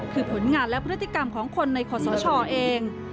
คือผลงานและพฤติกรรมของคนในขอสชเอง